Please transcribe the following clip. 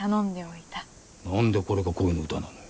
何でこれが恋の歌なのよ。